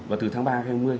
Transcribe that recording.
và từ tháng ba đến hai mươi